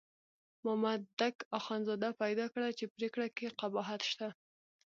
مامدک اخندزاده پیدا کړه چې پرېکړه کې قباحت شته.